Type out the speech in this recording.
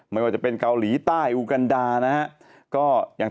ไม่ว่าจะเป็นเกาหลีใต้อูกันดานะฮะ